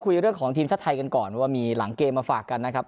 คุยเรื่องของทีมชาติไทยกันก่อนว่ามีหลังเกมมาฝากกันนะครับ